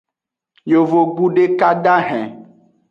Yovogbu deka dahen.